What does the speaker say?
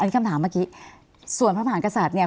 คำถามเมื่อกี้ส่วนพระมหากษัตริย์เนี่ย